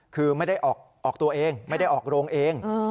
คือไม่ได้ออกตัวเองไม่ได้ออกโรงเอง